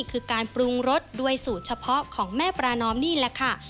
คือการปรุงรสด้วยสูตรเฉพาะของแม่ปรานอมนี่แหละค่ะ